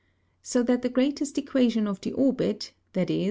So that the greatest Equation of the Orbit, _viz.